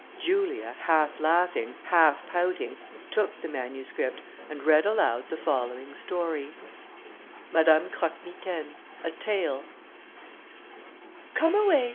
Julia, half laughing, half pouting, took the manuscript, and read aloud the following story: MADAME CROQUE MITAINE: A TALE. "Come away!